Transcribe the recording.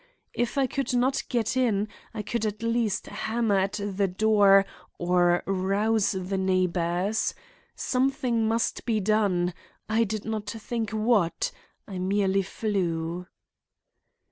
If I could not get in I could at least hammer at the door or rouse the neighbors. Something must be done. I did not think what; I merely flew."